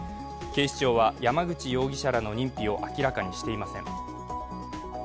警視庁は、山口容疑者らの認否を明らかにしていません。